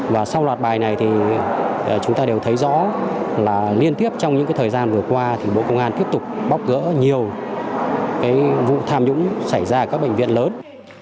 và sau loạt bài này thì chúng ta đều thấy rõ là liên tiếp trong những thời gian vừa qua thì bộ công an tiếp tục bóc gỡ nhiều vụ tham nhũng xảy ra ở các bệnh viện lớn